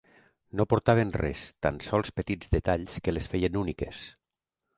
No portaven res, tan sols petits detalls que les feien úniques.